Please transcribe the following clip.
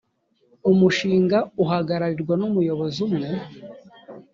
umushinga uhagararirwa numuyobozi umwe.